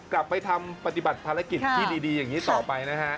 กลับไปทำปฏิบัติภารกิจที่ดีอย่างนี้ต่อไปนะฮะ